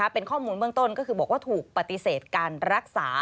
เป็นข้อมูลเบื้องต้นก็คือบอกว่าถูกปฏิเสธการรักษา